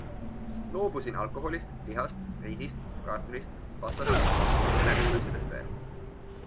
Loobusin alkoholist, lihast, riisist, kartulist, pastast ja mõnedest asjadest veel.